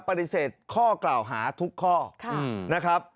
ปฏิเสธข้อกล่าวหาทุกข้อนะครับ